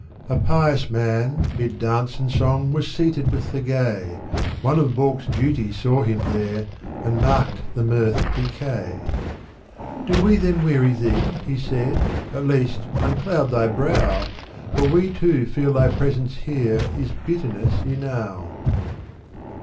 A pious man^ mid dance and song, was seated with the gay ; One of Balkh's beauties saw him there, and marked the mirth decay : "Do we, then, weary thee?" he said, "at least, un cloud thy brow ; For we, too, feel thy presence here is bitterness enow.